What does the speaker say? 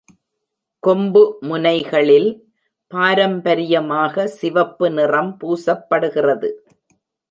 கொம்பு முனைகளில் பாரம்பரியமாக சிவப்பு நிறம் பூசப்படுகிறது.